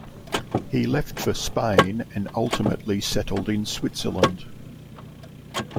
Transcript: He left for Spain, and ultimately settled in Switzerland.